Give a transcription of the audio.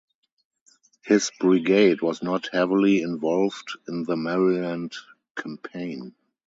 His brigade was not heavily involved in the Maryland Campaign.